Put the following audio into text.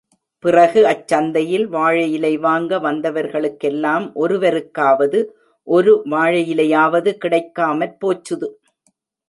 பிறகு அச் சந்தையில் வாழை இலை வாங்க வந்தவர்களுக்கெல்லாம் ஒருவருக்காவது, ஒரு வாழையிலை யாவது கிடைக்காமற் போச்சுது!